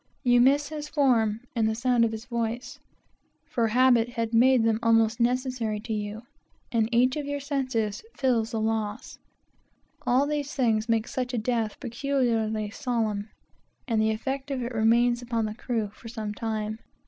You miss his form, and the sound of his voice, for habit had made them almost necessary to you, and each of your senses feels the loss. All these things make such a death peculiarly solemn, and the effect of it remains upon the crew for some time.